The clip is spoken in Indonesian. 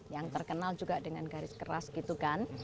yang terkenal juga dengan garis keras gitu kan